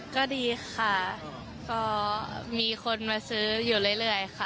ก็ดีค่ะก็มีคนมาซื้ออยู่เรื่อยค่ะ